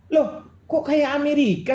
loh kok kayak amerika